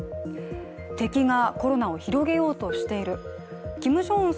敵がコロナを広げようとしているキム・ジョンウン